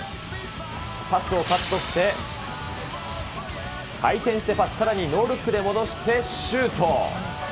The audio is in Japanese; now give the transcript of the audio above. パスをカットして、回転してパス、さらにノールックで戻してシュート。